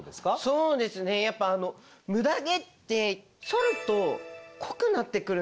そうですねやっぱムダ毛ってそると濃くなってくるんですよね。